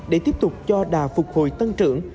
để tiếp tục cho đà phục hồi tăng trưởng